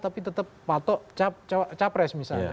tapi tetap patok capres misalnya